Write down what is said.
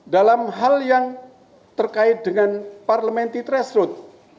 dalam hal yang terkait dengan parlementi trash road